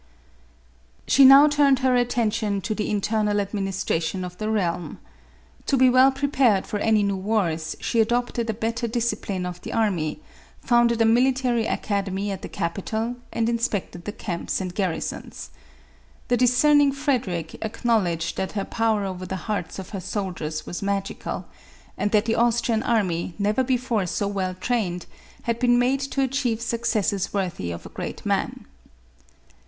She now turned her attention to the internal admin istration of the realm. To be well prepared for any new wars, she adopted a better discipline of the army, founded a military academy at the capital, and inspect ed the camps and garrisons. The discerning Frederic acknowledged that her power over the hearts of her soldiers was magical, and that the Austrian army, never before so well trained, had been made to achieve successes worthy of a great man.